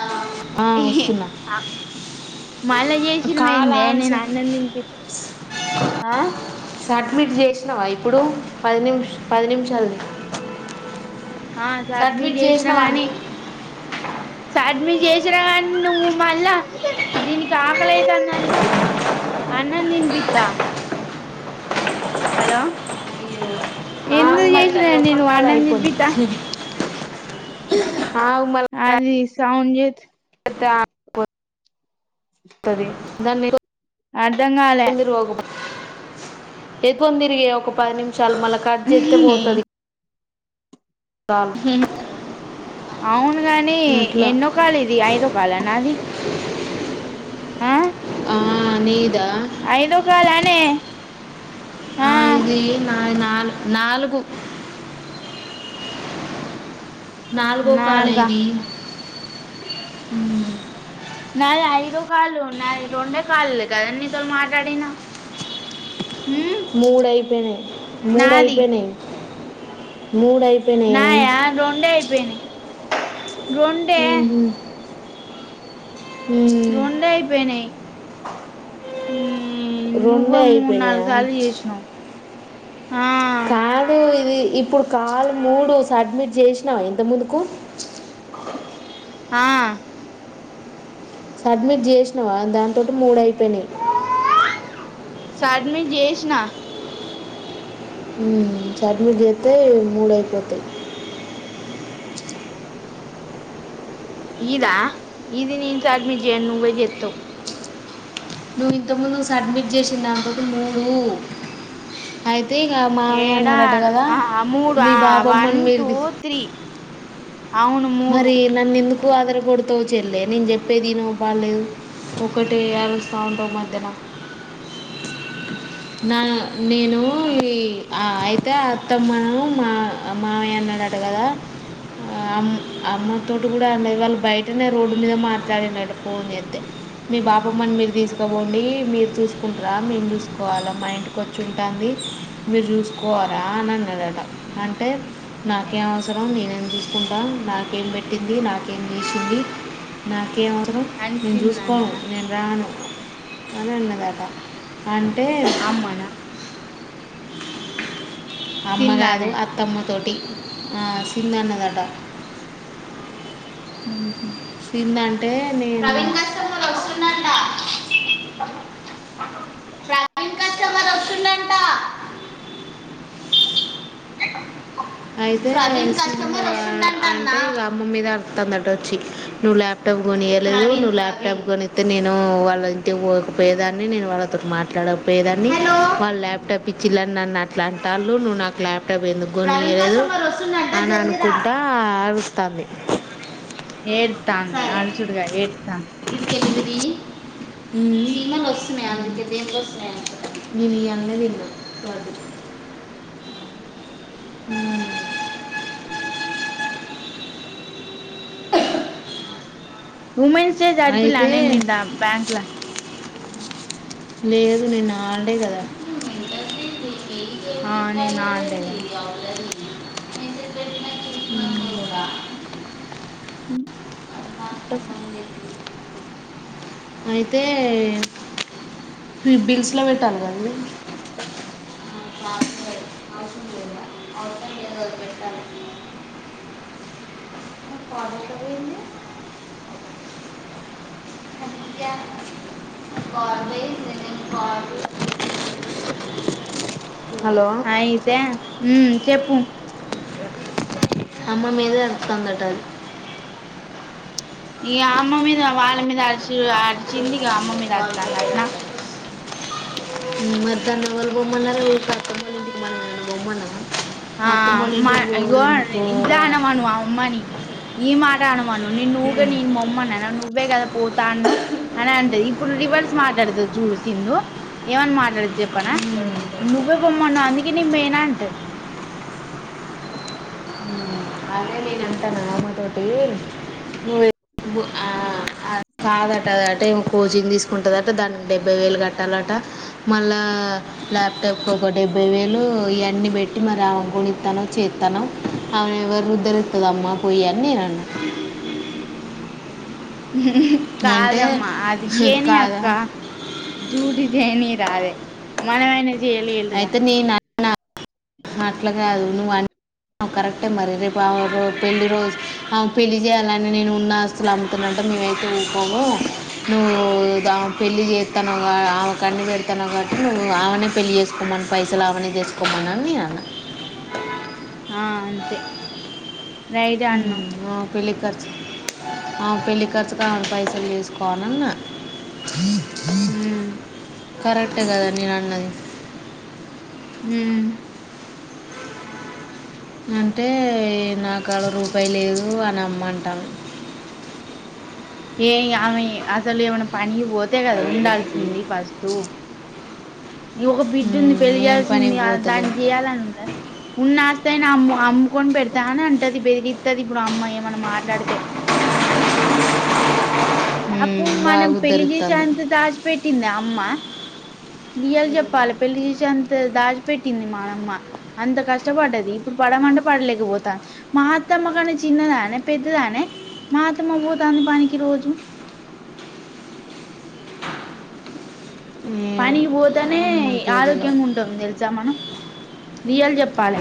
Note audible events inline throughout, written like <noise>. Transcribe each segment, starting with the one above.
ఆ వస్తున్నా అ మళ్ల కాల్ చేసినవెందే నేను ఆన్సర్ ఆన్నందినిపించి ఆ మీరు చేసినవా ఇప్పుడు పది నిమిష పది నిమిషాలు ఆ సబ్మిట్ చేసిన గానీ సబ్మిట్ చేసిన కాని నువ్వు మళ్ళా దీనికి ఆకలైతుందంటే అన్నం తినిపిత్త హలో ఆగు ఎందుకు మరి చేసినవే నువ్వు అన్నం తినిపిత్త ఆ ఆగు మళ్ళ సౌండ్ చేసి దా తది దాని అర్ధంగాల <inaudible> తిరిగే ఒక పది నిమి చాలా మళ్ళా కట్ జెత్తే పోతది కాం అవును గాని ఎన్నో కాలు ఇది ఐదో కాల నాది ఆ మ్మ్ నీద్ ఐదో కాలనే ఆ ఇది నాది నాలుగు నాలుగు నాలుగో కాల్ నాలుగా ఇది మ్మ్ కాళ్ళున్నది రొండే కాల్లె కదా నీతో మాట్లాడినా ఉమ్ మూడ అయిపోయినాయి మూడు నాది అయిపోయినాయి మూ నయా రోండే అయిపోయినాయ్ రొండే ఉహు. ఉమ్. రొండే అయిపోనాయి మ్మ్ రొండే అయిపోయినయా చేసినావు ఆ కాదు ఇది ఇప్పుడు కాలు మూడు సబ్మిట్ చేసినావా ఇంత ముందుకు ఆ సబ్మిట్ చేసినావా దాని తోటి మూడ అయిపోయినాయి సబ్మిట్ చేసిన మ్మ్ సబ్మిట్ చెత్తే మూడు అయిపోతాయి ఇదా ఇది నేన్ సబ్మిట్ జెయ్యాన్ నువ్వే జెత్తవ్ నువ్వు ఇంతముందు సడ్మిట్ చేస దాంతటి మూడు అయి తె ఇగ మామయ్య ఏడా అన్నాడట కదా ఆ మూడు మీ ఆ వన్ బాబమ్మని మీరు టూ తీ త్రీ అవును మూడు మరి నన్ ఎందుక్ కు అదర కొడతావు చెల్లే నేను చెప్పేది ఇను బాగాలేదు ఒకటే అరుస్తా ఉంటావు మధ్యల నా నేను ఈ ఆ అయితే అత్తమ్మ ను మా మామయ్య అన్నడట కదా అమ్ అమ్మతోటి కూడా అన్న వాళ్ళు బయటనే రోడ్డు మీద మాట్లాడినట ఫోన్ చేతే మీ బాపమ్మని మీరు తీసుకుపోండి మీరు చూసుకుంటారా మేము చూసుకోవాలా మా ఇంటికి వచ్చి ఉంటాంది మీరు చూసుకోవరాా అని అన్నాడట అంటే నాకేం అవసరం నేను ఎందు చుస్ కుండా మ్యా నాకేం పెట్టింది నాకేం చేసింది నాకు క ఏ అవసరం నేను అన్సిన్ చూసుకోను అన్ననా నేను రాను అని అన్నదాట అంటే అమ్మనా అమ్మ కాదు సిందానే అత్తమ్మ తోటి ఆ సింధన్నదట ఉ సింద అంటే నేను అయితే అమ్మ మీద ఆరుతోంద అట వచ్చి నువ్వు ల్యాప్టాప్ కొనియలేదు నువ్వు ల్యాప్టాప్ కొనిస్తతే నేను వాళ్ళ ఇంటికి పోకపోయేదాన్ని నేను వాళ్ళ తో మాట్లాడకపోయేదాన్ని వాళ్ళ ల్యాప్టాప్ ఇచ్చిలని నన్ను అట్ల అంటా అళ్ళు నువ్వు నాకు ల్యాప్టాప్ ఎందుకు కొనియలేదు అని అనుకుంటా అరుస్తాంది ఏడ్ దాన్ని అరచుడుగ ఏతా ఇ జి ఈమలో ద దసమ్యా అంకితే దేన్లో దసమ మీని అంగలి బస్ అ <inaudible> వుమెన్స్ డే అయితే జర్పిలానే మీ దా బ్యాంక్ ల లేదు నేను ఆడే కదా ఆ నేను ఆండేగ <inaudible> <inaudible> ఉ త్త అయితే ఫీ బిల్స్లో పెట్టాను కదండి <inaudible> కార్డు <inaudible> దివ్య బార్వే జ్ నేను ఎ బార్యేజ్ అయితే ఉ చెప్పు అమ్మ మీద అతంతటారు ఈ అమ్మ మీద వాళ్ళ మీద ఆడిచిరు అడిచింది ఇగ అమ్మ మీద అరత్తనట్ నా మదా నవల్భా భోమన్నారు మ అనుభా మన ఆ మా ఇదుగో ఎందుకు ఇ అనమాను ఆ అమ్మని ఈ మాట అనుమాను నిన్నుఊగ నిను మొమ్మ ను అనను నువ్వే కదా పోతా అని అంటది ఇప్పుడు రివర్స్ మాట్లాడుతుంది చూడు సింధు ఏమని మాట్లాడు చెప్పనా నువ్వే బొమ్మను అంది మేనా అంటంది అే నేను అంటాను మామ తటి నువ కాదట అటే కోచింగ్ తీసుకుంటుందట దానికి డెబ్బై వేలు కట్టాలట మళ్ళా ల్యాప్టాప్కి ఒక డెబ్బై వేలు ఇవన్నీ పెట్టి మరి అ గునిత్తాను చేత్తాను అవి ఎవరు ఇద్దరుతుదమ్మా పోయి ఎన్ని నన్న కాదమ్మా అది చేనీ కాదా అక్క జూటి చేనీ రాదే మనవేం చేసి చేయలే ఎల్దుగా అట్లాగదు నువ్వు అన్న కరెక్టే మరి రేపు ఆ పెళ్ళి రోజు ఆమె పెళ్ళి చేయాలని నేను ఉన్న అస్తులు అమ్ముతున్నంటే మేవైతే ఊకోముో నువ్వు పెళ్ళి చేస్తాన ఆమె కన్న పెడతాను కాబటి నువ్వు ఆమెనే పెళ్ళి చేస్తా సుకోమని పైసలులావని చేసుకోమను అని నే అన్న ఆ అంతే రైట్ అన్నాం ఆ పెళ్ళి ఖర్చ్ ఆ ఖర్చు పెళ్ళి ఖర్చుగా పైసలు వేసుకోనున్న ఉమ్ కరెక్ అట్టే కదా నేను అన్నది హ్మ్ అంటే నాకాడ రూపాయి లేదు అని అమ్మంటాంది ఏ అమె అసలు ఎవన పని పోతే కదా ఉండాల్సింది ఫస్ట్ ఇంకో బిడ్డు ఉంది ఉమ్, ఏం పెరిగాల్సింది పనికి పోతలు దాన్ని చేయాలనుందా ఉన్నాస్త అయినా అమ్ అమ్ముకొని పెడతా అని అంటేది పెరిగి వస్తుది ఇప్పుడు అమ్మాయి ఏమన్నా మాట్లాడితే ఉమ్, అప్పుడు బాగా మనం పెళ్లి ఉద్ధరిస్తాను చేసేంత దాచిపెట్టింది అమ్మ ఇయాల చెప్పాలి పెళ్లి చేసేంత అంత దాచిపెట్టింది మానమ్మ అంత కష్టపడ్డది ఇప్పుడు పడమంటే పడలేకపోతాను మా అత్తమ్మ కానీ చిన్నదానే పెద్దదానే మా అత్తమ్మ పోతుంది పనికి రోజు ఏమో పనికి పో అనే మాకేదలో ఆరోగ్యంగా ఉంటుంది తెలుసా మనం రియల్ చెప్పాలి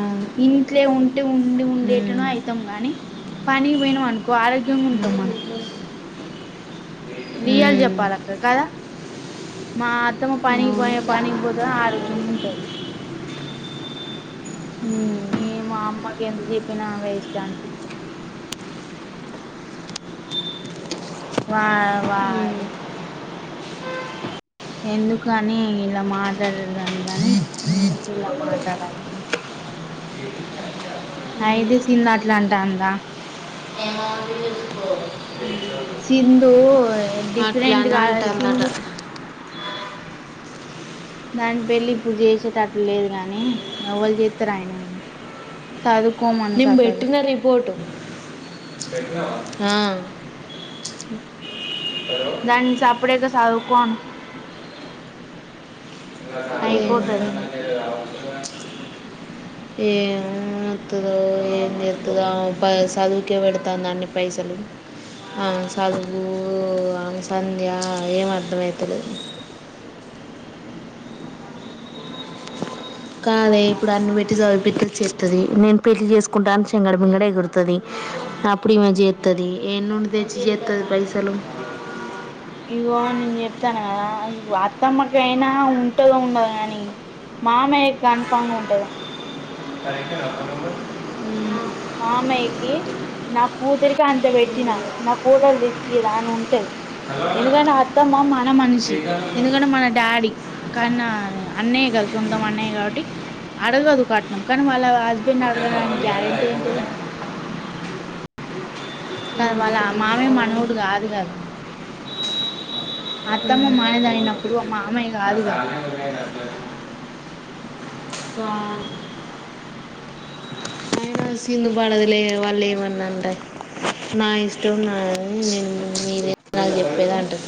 అవును ఇంట్లే ఉంటే ఉండి ఉండేటన ఉమ్, అయితాం గాని పని పోయినమనుకో వ ఆరోగ్యంగా ఉంటాం ఉమ్, మనం రియల్ ఉమ్, చెప్పాలి అక్క కదా మా అత్తమ్మ అవును పనికిపోయి పనికి పోతా ఆరోగ్యం ఉంటది ఉమ్, ఏ మా అమ్మకి ఎందుకు చెప్పినా వేస్ట్ అనుకుంట వా ఉమ్, ఉమ్. వారి ఎందుకు అని ఇలా మాట్లాడేదని కాని ఎందుకు ఇలా మాట్లాడాలి అయితే సిందట్లా అంటాందా సిందూ అట్లా డిఫరెంట్ అని కాలో అంటుందట సిందు దాని పెళ్లిి ఇప్పుడు చేసేటట్లు లేదు గానీ ఎవ్వలు చేత్తరు ఆయనేగా నిమ్ పెట్టిన రిపోర్టు పెట్టినవా ఆ హలో? దానన్ని సప్పుడేక సదువుకో అను హు ఏం వత్తదో ఏం చేత్తదో ఆమె ప చదువుకే పెడుతంది అన్ని పైసలు ఆమె చదువు ఆమె సంధ్య ఏం అర్థమయితలేదు కాదే ఇప్పుడు అన్ని పెట్టి చదివిపిత్తది చేత్తది నేను పెళ్ళి చేసుకుంటా అని శంగడ బింగడ ఎగురుతది అప్పుడు ఇమే చేత్తది ఎన్నుండి తెచ్చి చేత్తది పైసలు ఇగో నేను చెప్తాన కదా ఇ అత్తమ్మకైనా ఉంటదో ఉండదో కాని మామయ్య కన్ఫామ్గ ఉంటదే హు మామయ్యకి నా కూతురికి అంత పెట్టినా నా కొడలు తెచ్చియదా అని ఉంటది ఎందుకంటే అత్తమ్మ మన మనిషి కీ ఎందుకంటే మన డాడీ కాన్న ఆ అన్నయ్య కదు సొంతం అన్నయ కాబట్టి అడగదు కట్నం కానీ వాళ్ళ హస్బెండ్ అడుగడని గ్యారెంటీ ఏంటిది కాద్ వాళ్ళ మామేయ్య మనోడు కాదు కదా అత్తమ్మ మానదైనప్పుడు మావయ్య కాదు గా అయిపోయింది సో అయినా సింధు పడదులే వాళ్ళు ఏమన్నా అంటే నా ఇష్టం నా అని నీ నువ్వెంది నాకు చెప్పేదంటది